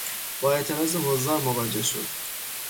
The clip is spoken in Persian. با اعتراض حضار مواجه شد.